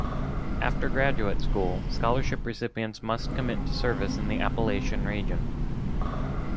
After graduate school, scholarship recipients must commit to service in the Appalachian region.